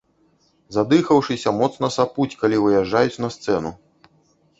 Задыхаўшыся, моцна сапуць, калі выязджаюць на сцэну.